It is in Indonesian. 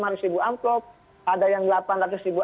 lima ratus ribu amplop ada yang delapan ratus ribu